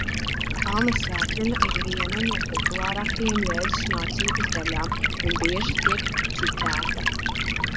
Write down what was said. Kalna svētruna ir viena no populārākajām Jēzus mācības daļām un bieži tiek citēta.